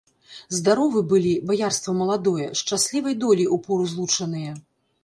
Здаровы былі, баярства маладое, шчаслівай доляй упору злучаныя.